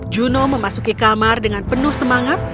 juno memasuki kamar dengan penuh semangat